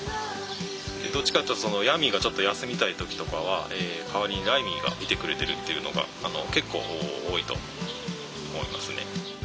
どっちかっていうとヤミーがちょっと休みたい時とかは代わりにライミーが見てくれてるっていうのが結構多いと思いますね。